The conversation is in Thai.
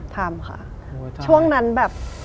ทำค่ะช่วงนั้นแบบ